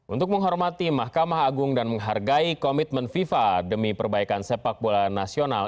untuk menghormati mahkamah agung dan menghargai komitmen fifa demi perbaikan sepak bola nasional